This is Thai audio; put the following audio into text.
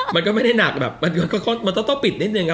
มันก็ไม่ได้หนักแบบมันต้องปิดนิดนึง